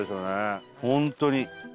本当に。